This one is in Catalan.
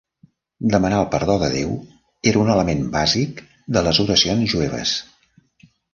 Demanar el perdó de Déu era un element bàsic de les oracions jueves.